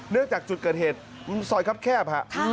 เนื่องจากจุดเกิดเหตุซอยครับแคบครับ